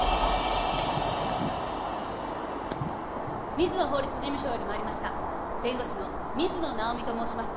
水野法律事務所より参りました弁護士の水野直美と申します